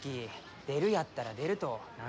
出るやったら出ると何でひと言。